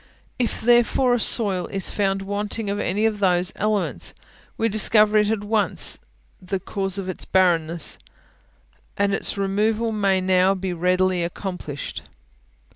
If therefore a soil is found wanting in any of those elements, we discover at once the cause of its barrenness, and its removal may now be readily accomplished.